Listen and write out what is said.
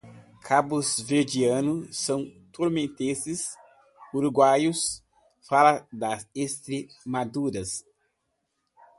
cabo-verdiano, são-tomense, uruguaio, fala da Estremadura